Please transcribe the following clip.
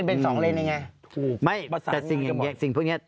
เป็น๒เรนย์ไง